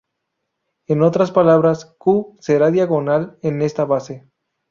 En otras palabras, Q será diagonal en esta base.